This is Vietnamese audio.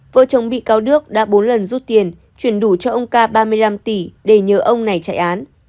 vợ chồng bị cáo đức đã bốn lần rút tiền chuyển đủ cho ông ca ba mươi năm tỷ để nhờ ông này chạy án